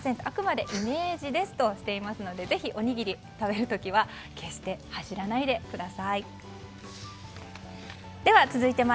あくまでイメージですとしていますのでぜひ、おにぎり食べる時は決して走らないでください。